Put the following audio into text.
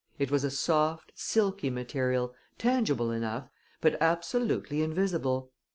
It was a soft, silky material, tangible enough, but absolutely invisible.